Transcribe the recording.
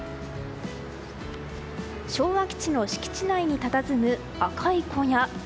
昭和基地の敷地内にたたずむ赤い小屋。